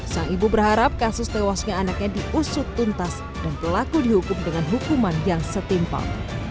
sang ibu berharap kasus tewasnya anaknya diusut tuntas dan pelaku dihukum dengan hukuman yang setimpal